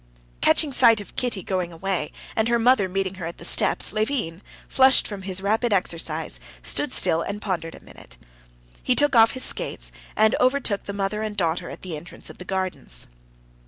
Catching sight of Kitty going away, and her mother meeting her at the steps, Levin, flushed from his rapid exercise, stood still and pondered a minute. He took off his skates, and overtook the mother and daughter at the entrance of the gardens.